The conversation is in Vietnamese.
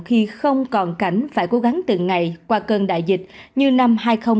khi không còn cảnh phải cố gắng từng ngày qua cơn đại dịch như năm hai nghìn một mươi ba